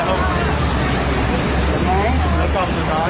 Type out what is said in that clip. ขอบคุณครับขอบคุณครับ